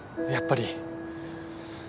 やっぱり。